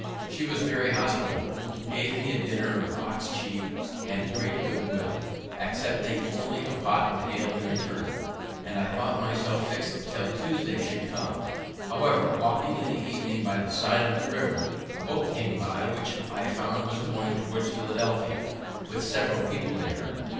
She was very hospitable, gave me a dinner of ox cheek with great good will, accepting only of a pot of ale in return; and I thought myself fixed till Tuesday should come. However, walking in the evening by the side of the river, a boat came by, which I found was going towards Philadelphia, with several people in her.